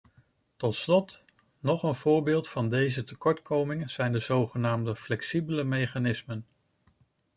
Tot slot: nog een voorbeeld van deze tekortkomingen zijn de zogenaamde flexibele mechanismen.